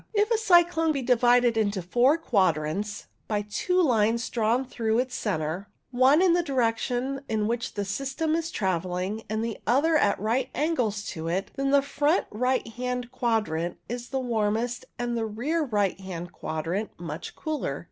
If a cyclone be divided into four quadrants by two lines drawn through its centre, one in the direction in which the system is travelling and the other at right angles to it, then the front right hand quadrant is the warmest and the rear right hand quadrant much colder.